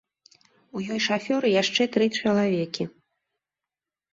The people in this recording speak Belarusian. У ёй шафёр і яшчэ тры чалавекі.